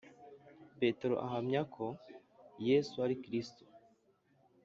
Petero ahamya ko Yesu ari Kristo